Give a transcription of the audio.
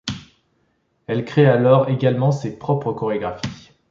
Elle crée alors également ses propres chorégraphies.